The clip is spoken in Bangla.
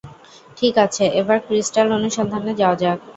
ঠিক আছে, এবার ক্রিস্টাল অনুসন্ধানে যাওয়া যাক।